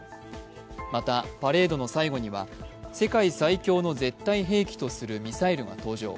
また、パレードの最後には世界最強の絶対兵器とするミサイルが登場。